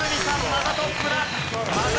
またトップだ。